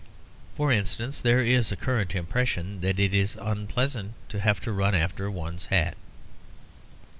For instance, there is a current impression that it is unpleasant to have to run after one's hat.